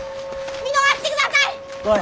見逃してください！